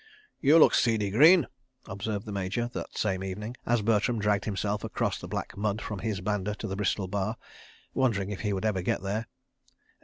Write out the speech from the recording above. ... "You look seedy, Greene," observed the Major that same evening, as Bertram dragged himself across the black mud from his banda to the Bristol Bar—wondering if he would ever get there.